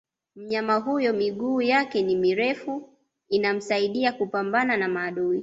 Mnyama huyo miguu yake ni mirefu inamsaidia kupambana na maadui